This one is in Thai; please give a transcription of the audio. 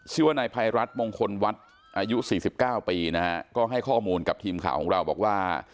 ชื่อว่านายภัยรัฐมงคลวัดอายุ๔๙ปีนะฮะก็ให้ข้อมูลกับทีมข่าวของเราบอกว่า